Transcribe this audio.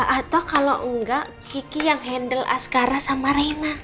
atau kalau enggak kiki yang handle askara sama reina